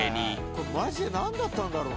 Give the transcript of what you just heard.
「これマジでなんだったんだろう？」